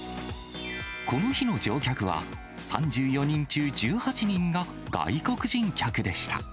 この日の乗客は３４人中１８人が外国人客でした。